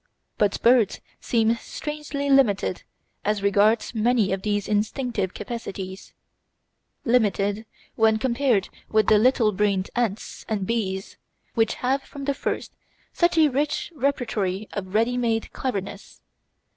But birds seem strangely limited as regards many of these instinctive capacities limited when compared with the "little brained" ants and bees, which have from the first such a rich repertory of ready made cleverness.